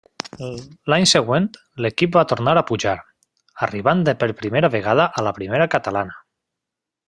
L'any següent l'equip va tornar a pujar, arribant per primera vegada a la Primera Catalana.